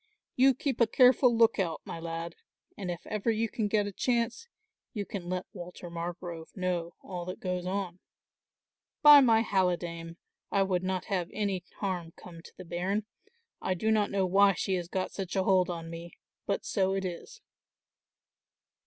You keep a careful look out, my lad, and if ever you can get a chance you can let Walter Margrove know all that goes on. By my halidame, I would not have any harm come to the bairn. I do not know why she has got such a hold on me, but so it is."